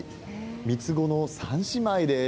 ３つ子の３姉妹です。